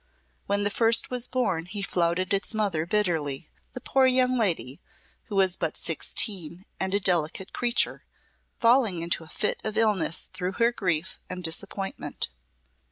When the first was born he flouted its mother bitterly, the poor young lady, who was but sixteen and a delicate creature, falling into a fit of illness through her grief and disappointment.